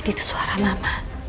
tagi itu suara mama